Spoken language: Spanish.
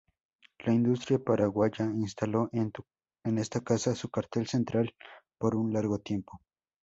La Industrial Paraguaya instaló en esta casa, su cuartel central por un largo tiempo.